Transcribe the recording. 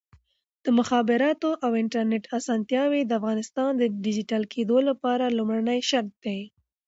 د مخابراتو او انټرنیټ اسانتیاوې د افغانستان د ډیجیټل کېدو لپاره لومړنی شرط دی.